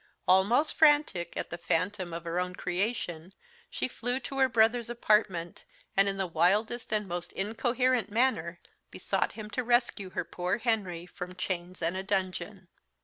Almost frantic at the phantom of her own creation, she flew to her brother's apartment, and, in the wildest and most incoherent manner, besought him to rescue her poor Henry from chains and a dungeon.